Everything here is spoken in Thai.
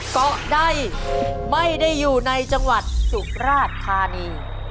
เกาะใดไม่ได้อยู่ในจังหวัดสุราชธานี